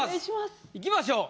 いきましょう。